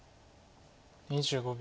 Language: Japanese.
２５秒。